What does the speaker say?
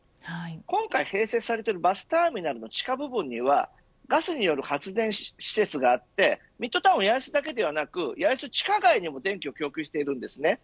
今回、併設されているバスターミナルの地下部分にはガスによる発電施設があってミッドタウン八重洲だけでなく八重洲地下街にも電気を供給しています。